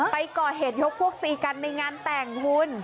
ไปก่อเหตุยกพวกตีกันในงานแต่งคุณ